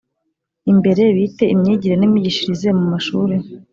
imbere bite imyigire n’imyigishirize mu mashuri?